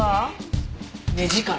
目力！